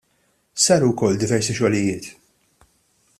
Saru wkoll diversi xogħlijiet.